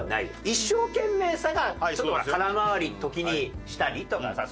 一生懸命さがちょっとほら空回り時にしたりとかさ